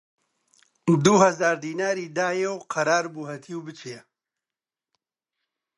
دوو هەزار دیناری دایە و قەرار بوو هەتیو بچێ